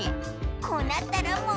こうなったらもういちど！